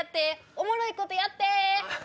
おもろいことやって！